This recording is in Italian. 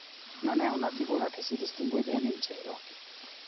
Non è una figura che si distingue bene in cielo.